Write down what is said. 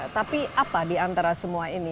tapi apa di antara semua ini